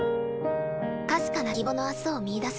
かすかな希望の明日を見いだす